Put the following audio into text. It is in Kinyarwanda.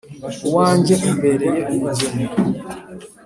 uwanjye umbereye umugeni!